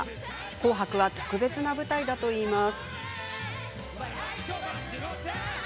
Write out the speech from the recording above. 「紅白」は特別な舞台だといいます。